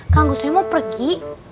tangguh soi mau pergi